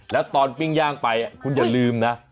แล้วตอนปิ้งย่างไปคุณอย่าลืมนะ